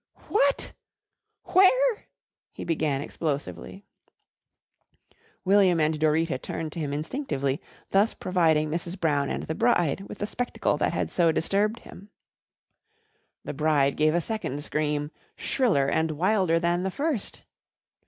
"What? Where?" he began explosively. William and Dorita turned to him instinctively, thus providing Mrs. Brown and the bride with the spectacle that had so disturbed him. The bride gave a second scream shriller and wilder than the first.